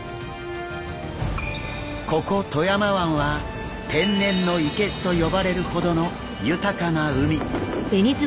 ここ富山湾は天然の生簀と呼ばれるほどの豊かな海。